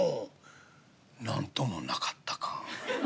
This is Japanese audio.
何ともなかったか？」。